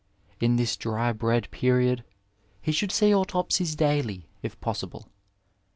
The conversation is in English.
In tiiis dry bread period he should see autopsies daily, if possible.